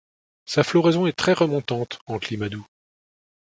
Sa floraison est très remontante en climat doux.